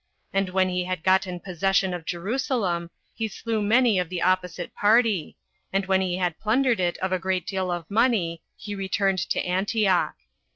And when he had gotten possession of Jerusalem, he slew many of the opposite party; and when he had plundered it of a great deal of money, he returned to Antioch.